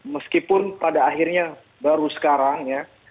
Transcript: meskipun pada akhirnya baru sekarang ya